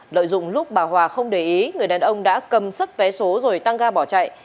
lợi dụng lúc bà hòa không để ý người đàn ông đã cầm xuất vé số rồi tăng ga bỏ chạy